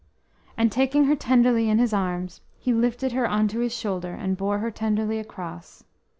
And taking her tenderly in his arms, he lifted her on to his shoulder, and bore her tenderly across.